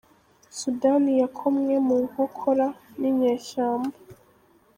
Sudani yakomwe mu nkokora ninyeshyamba